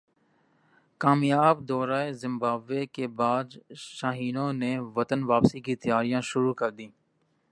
کامیاب دورہ زمبابوے کے بعد شاہینوں نے وطن واپسی کی تیاریاں شروع کردیں